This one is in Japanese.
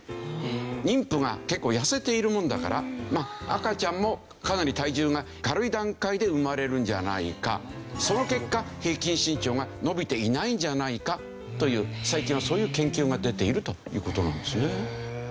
妊婦が結構痩せているもんだから赤ちゃんもかなり体重が軽い段階で生まれるんじゃないかその結果平均身長が伸びていないんじゃないかという最近はそういう研究が出ているという事なんですね。